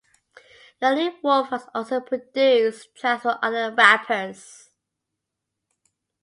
Yoni Wolf has also produced tracks for other rappers.